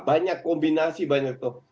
banyak kombinasi banyak gol